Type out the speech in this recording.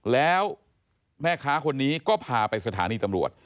แล้วแม่ค้าคนนี้ก็พาไปสถานีตำรวจ